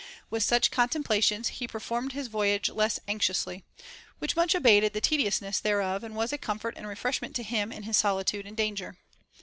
With such con templations he performed his voyage less anxiously, which much abated the tediousness thereof and was a comfort and refreshment to him in his solitude and danger.